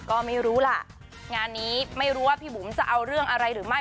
ก็ไม่รู้ล่ะงานนี้ไม่รู้ว่าพี่บุ๋มจะเอาเรื่องอะไรหรือไม่